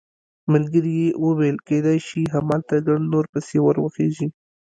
ملګري یې وویل کېدای شي همالته ګڼ نور پسې ور وخېژي.